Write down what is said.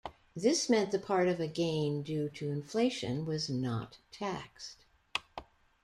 This meant the part of a gain due to inflation was not taxed.